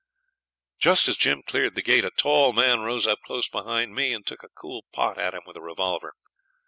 Just as Jim cleared the gate a tall man rose up close behind me and took a cool pot at him with a revolver.